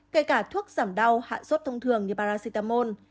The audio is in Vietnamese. kể cả thuốc giảm đau hạ sốt thông thường như paracetamol